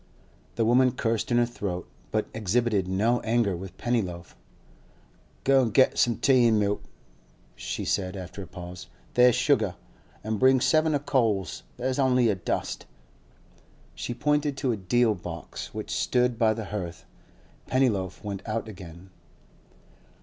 The woman cursed in her throat, but exhibited no anger with Pennyloaf. 'Go an' get some tea an' milk,' she said, after a pause. 'There is sugar. An' bring seven o' coals; there's only a dust.' She pointed to a deal box which stood by the hearth. Pennyloaf went out again.